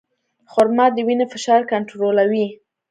خرما د وینې فشار کنټرولوي.